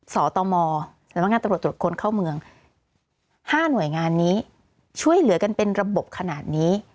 สตมสำนักงานตำรวจตรวจคนเข้าเมือง๕หน่วยงานนี้ช่วยเหลือกันเป็นระบบขนาดนี้